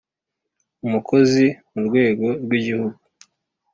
umukozi mu rwego rw Igihugu